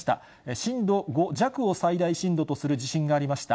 震度５弱を最大震度とする地震がありました。